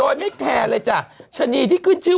นี่นี่นี่นี่นี่นี่นี่นี่